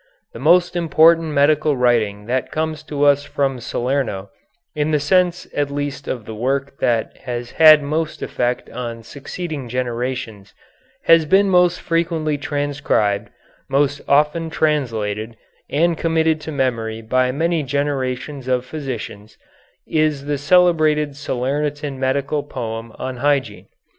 The most important medical writing that comes to us from Salerno, in the sense at least of the work that has had most effect on succeeding generations, has been most frequently transcribed, most often translated and committed to memory by many generations of physicians, is the celebrated Salernitan medical poem on hygiene.